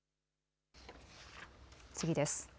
次です。